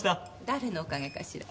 誰のおかげかしら？